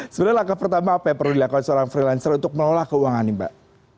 sebenarnya langkah pertama apa yang perlu dilakukan seorang freelancer untuk melolah keuangan mbak